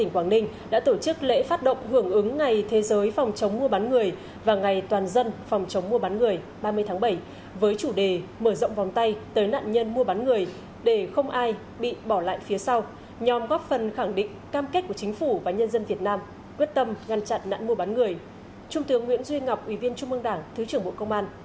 quyết tâm ngăn chặn nạn mua bán người trung tướng nguyễn duy ngọc ủy viên trung mương đảng thứ trưởng bộ công an